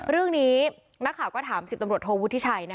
เรื่องนี้นักข่าวก็ถาม๑๐ตำรวจโทวุฒิชัย